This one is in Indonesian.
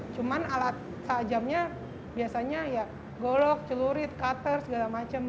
cuman alat tajamnya biasanya ya golok celurit cutter segala macam